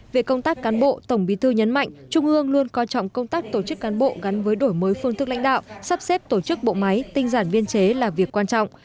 về công tác cán bộ tổng bí thư nhấn mạnh trung ương luôn coi trọng công tác tổ chức cán bộ gắn với đổi mới phương thức lãnh đạo sắp xếp tổ chức bộ máy tinh giản biên chế là việc quan trọng